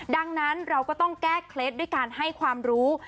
ดังนั้นเราก็ต้องแก้เคล็ดด้วยการให้ความรู้